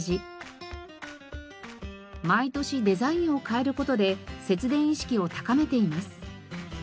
毎年デザインを変える事で節電意識を高めています。